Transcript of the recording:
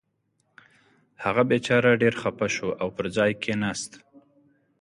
هغه بېچاره ډېر خفه شو او پر ځای کېناست.